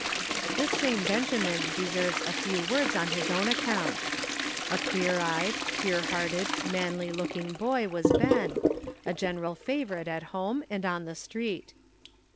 This same Benjamin deserves a few words on his own account. A clear eyed, pure hearted, manly looking boy was Ben, a general favorite at home and on the street.